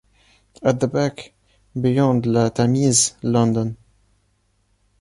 At the back, beyond La Tamise, London.